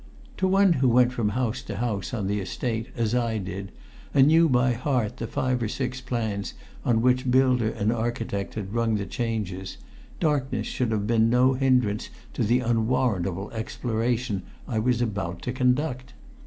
To one who went from house to house on the Estate as I did, and knew by heart the five or six plans on which builder and architect had rung the changes, darkness should have been no hindrance to the unwarrantable exploration I was about to conduct.